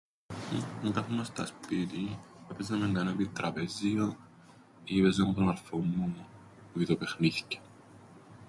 Εκαθούμασταν σπίτιν, επαίζαμεν κανέναν επιτραπέζιον ή έπαιζα με τον αρφόν μου βιτεοπαιχνίθκια.